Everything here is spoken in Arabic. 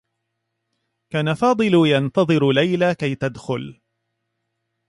كان فاضل ينتظر ليلى كي تدخل.